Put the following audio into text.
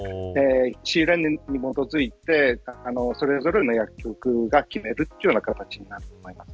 仕入れ値に基づいてそれぞれの薬局が決めるというような形になります。